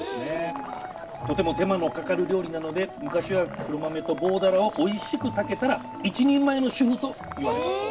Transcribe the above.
とても手間のかかる料理なので昔は黒豆と棒鱈をおいしく炊けたら一人前の主婦といわれたそう。